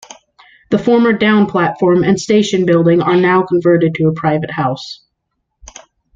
The former down platform and station building are now converted to a private house.